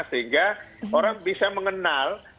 sehingga orang bisa mengenal